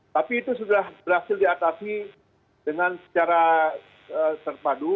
tapi itu sudah berhasil diatasi dengan secara terpadu